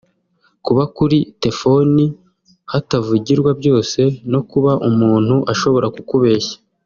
kuba kuri tefoni hatavugirwa byose no kuba umuntu ashobora kukubeshya